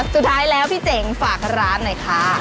สุดท้ายแล้วพี่เจ๋งฝากร้านหน่อยค่ะ